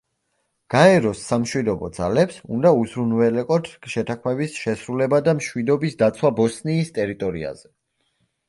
გაეროს სამშვიდობო ძალებს უნდა უზრუნველეყოთ შეთანხმების შესრულება და მშვიდობის დაცვა ბოსნიის ტერიტორიაზე.